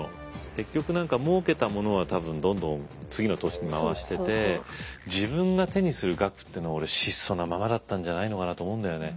結局何かもうけたものは多分どんどん次の投資に回してて自分が手にする額というのは俺質素なままだったんじゃないのかなと思うんだよね。